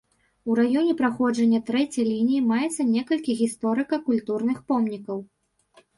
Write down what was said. У раёне праходжання трэцяй лініі маецца некалькі гісторыка-культурных помнікаў.